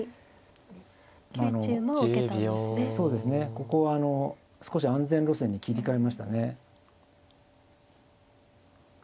ここは少し安全路線に切り替えましたね。